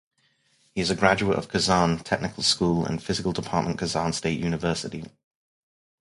He is a graduate of Kazan Technical School and physical department Kazan State University.